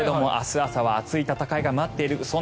朝は熱い戦いが待っている。